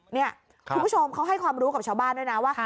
คุณผู้ชมเขาให้ความรู้กับชาวบ้านด้วยนะว่า